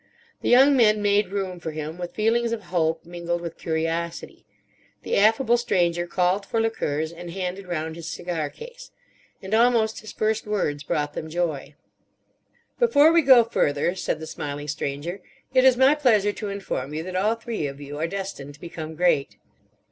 The young men made room for him with feelings of hope mingled with curiosity. The affable Stranger called for liqueurs, and handed round his cigar case. And almost his first words brought them joy. "Before we go further," said the smiling Stranger, "it is my pleasure to inform you that all three of you are destined to become great."